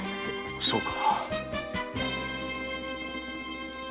そうか。